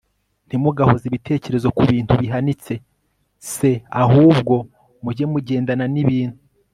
Ntimugahoze ibitekerezo ku bintu bihanitse c ahubwo mujye mugendana n ibintu